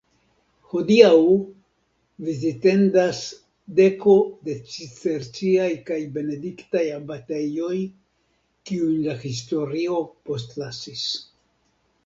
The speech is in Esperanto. Hodiaŭ vizitindas deko da cisterciaj kaj benediktaj abatejoj, kiujn la historio postlasis.